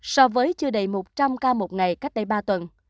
so với chưa đầy một trăm linh ca một ngày cách đây ba tuần